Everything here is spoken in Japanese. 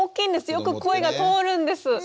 よく声が通るんです。